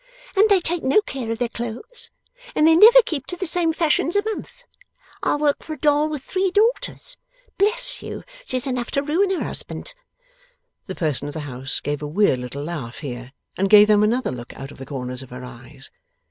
'And they take no care of their clothes, and they never keep to the same fashions a month. I work for a doll with three daughters. Bless you, she's enough to ruin her husband!' The person of the house gave a weird little laugh here, and gave them another look out of the corners of her eyes.